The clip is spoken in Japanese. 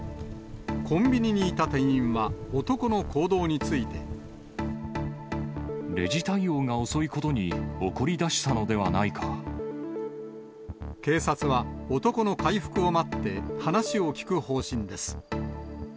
コンビニにいた店員は、男の行動について。レジ対応が遅いことに怒りだ警察は、男の回復を待って、話を聴く方針です。